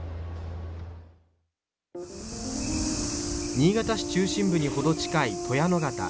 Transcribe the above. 新潟市中心部にほど近い鳥屋野潟。